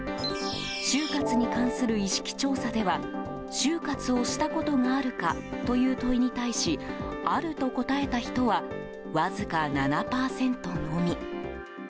終活に関する意識調査では終活をしたことがあるかという問いに対しあると答えた人はわずか７％のみ。